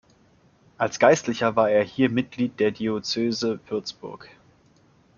Als Geistlicher war er hier Mitglied der Diözese Würzburg.